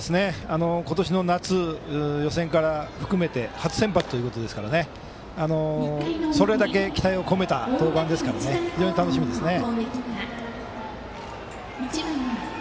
今年の夏、予選から含めて初先発ということですからそれだけ期待を込めた登板ですから非常に楽しみですね。